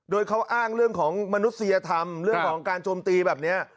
โดยเขาอ้างเรื่องของมนุษยธรรมเรื่องของการโจมตีแบบนี้